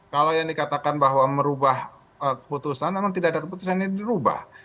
kalau yang dikatakan bahwa merubah keputusan memang tidak ada keputusan ini dirubah